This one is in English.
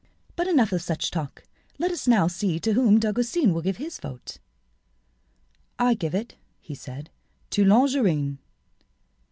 But enough of such talk. Let us now see to whom Dagoucin will give his vote." "I give it," he said, "to Longarine."